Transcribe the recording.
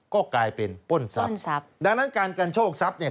ก็กลายเป็นป้นทรัพย์ดังนั้นการกันโชคทรัพย์